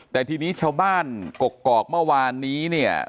แต่ทีนี้ชาวบ้านกกอกเมื่อวานนี้เนี่ย